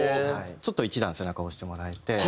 ちょっと一段背中押してもらえて。